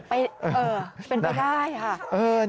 ไปเป็นไปได้ค่ะ